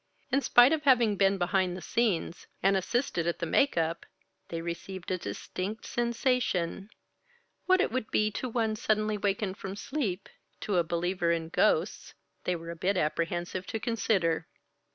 In spite of having been behind the scenes and assisted at the make up, they received a distinct sensation what it would be to one suddenly wakened from sleep, to a believer in ghosts, they were a bit apprehensive to consider.